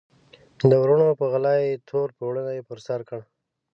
د وروڼو په غلا یې تور پوړنی پر سر کړ.